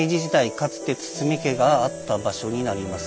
かつて堤家があった場所になります。